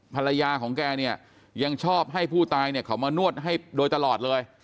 ภรรยาของแกเนี่ยยังชอบให้ผู้ตายเนี่ยเขามานวดให้โดยตลอดเลย